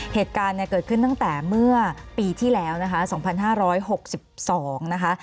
เหตุการณ์เนี่ยเกิดขึ้นตั้งแต่เมื่อปีที่แล้วนะคะ๒๕๖๒นะคะ